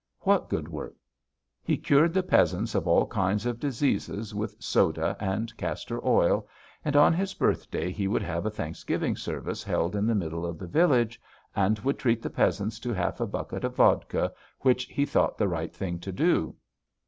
What good works? He cured the peasants of all kinds of diseases with soda and castor oil, and on his birthday he would have a thanksgiving service held in the middle of the village, and would treat the peasants to half a bucket of vodka, which he thought the right thing to do.